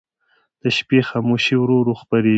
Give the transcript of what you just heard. د شپې خاموشي ورو ورو خپرېږي.